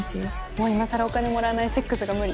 もう今更お金もらわないセックスが無理。